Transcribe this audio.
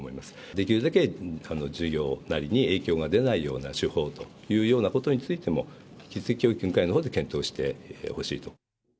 できるだけ授業なりに影響が出ないような手法というようなことについても、引き続き教育委員会のほうで検討してほしいと。